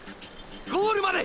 ゴールまで！！